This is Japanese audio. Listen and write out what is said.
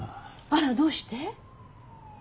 あらどうして？